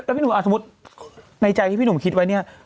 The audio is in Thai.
แต่พี่หนุ่มสมมุติในใจที่พี่หนุ่มคิดไว้เนี่ย